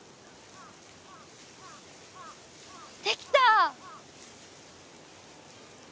できた！